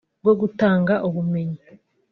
bwo gutanga ubumenyi